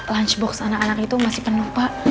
lunchbox anak anak itu masih penuh pak